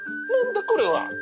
何だこれは。